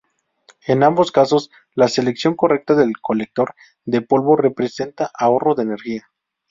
En ambos casos, la selección correcta del colector de polvo representa ahorro de energía.